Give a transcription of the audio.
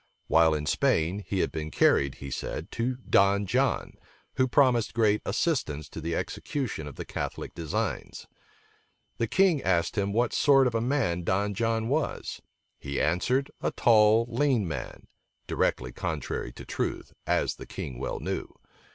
While in Spain, he had been carried, he said, to Don John, who promised great assistance to the execution of the Catholic designs. The king asked him what sort of a man Don John was: he answered, a tall, lean man; directly contrary to truth, as the king well knew.